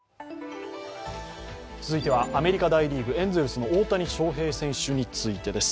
続いてはアメリカ大リーグ、エンゼルスの大谷翔平選手についてです。